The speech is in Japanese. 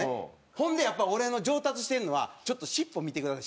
ほんでやっぱ俺の上達してるのはちょっと尻尾見てください。